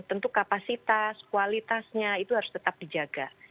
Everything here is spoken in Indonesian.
dan tentu kapasitas kualitasnya itu harus tetap dijaga